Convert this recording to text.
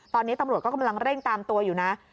ตอนนี้ตำรวจก็กำลังเร่งตามตัวอยู่นะ